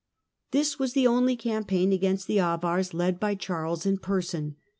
This was the only campaign against the Avars led by Charles in person.